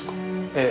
ええ。